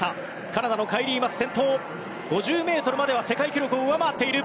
カナダのカイリー・マス、先頭５０ｍまでは世界記録を上回っている。